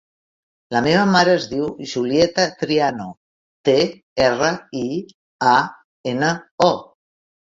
La meva mare es diu Julieta Triano: te, erra, i, a, ena, o.